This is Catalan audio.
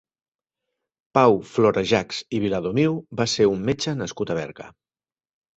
Pau Florejachs i Viladomiu va ser un metge nascut a Berga.